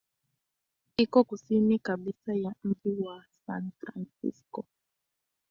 Iko kusini kabisa ya mji wa San Francisco.